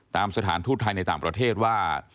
สถานทูตไทยในต่างประเทศว่า